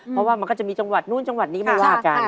เพราะว่ามันก็จะมีจังหวัดนู้นจังหวัดนี้ไม่ว่ากัน